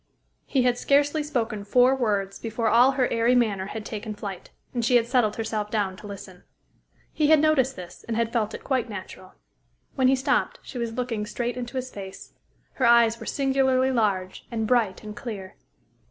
He had scarcely spoken four words before all her airy manner had taken flight, and she had settled herself down to listen. He had noticed this, and had felt it quite natural. When he stopped, she was looking straight into his face. Her eyes were singularly large and bright and clear.